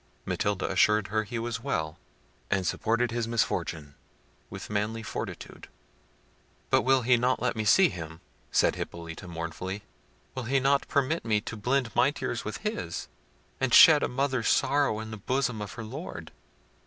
Matilda assured her he was well, and supported his misfortune with manly fortitude. "But will he not let me see him?" said Hippolita mournfully; "will he not permit me to blend my tears with his, and shed a mother's sorrows in the bosom of her Lord?